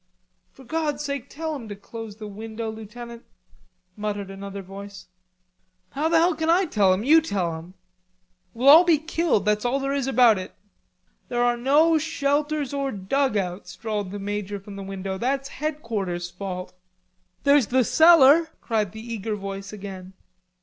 "For God's sake tell him to close the window, Lieutenant," muttered another voice. "How the hell can I tell him? You tell him." "We'll all be killed, that's all there is about it." "There are no shelters or dugouts," drawled the major from the window. "That's Headquarters' fault." "There's the cellar!" cried the eager voice, again.